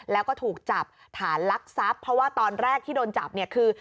แล้วก็ถูกจับฐานลักทรัพย์เพราะว่าตอนแรกที่โดนจับเนี่ยคือ